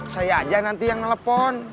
saya aja nanti yang nelpon